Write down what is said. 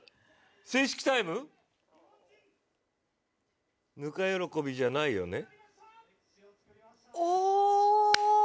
正式タイムぬか喜びじゃないよね？